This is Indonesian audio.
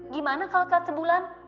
gimana kalau keliat sebulan